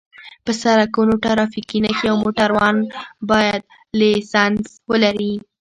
په سرکونو ټرافیکي نښې او موټروان باید لېسنس ولري